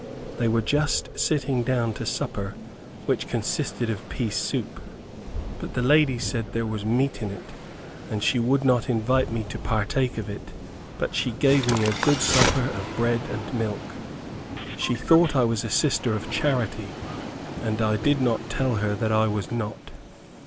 They were just sitting down to supper, which consisted of pea soup; but the lady said there was meat in it, and she would not invite me to partake of it; but she gave me a good supper of bread and milk. She thought I was a Sister of Charity, and I did not tell her that I was not.